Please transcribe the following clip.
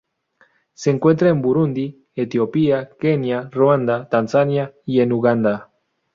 Se encuentra en Burundi, Etiopía, Kenia, Ruanda, Tanzania y en Uganda.